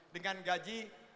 dengan gaji tiga juta rupiah